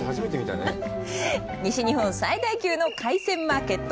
西日本最大級の海鮮マーケット。